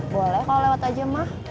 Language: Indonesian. boleh kalau lewat aja mah